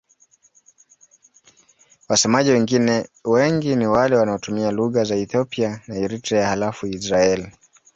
Wasemaji wengine wengi ni wale wanaotumia lugha za Ethiopia na Eritrea halafu Israel.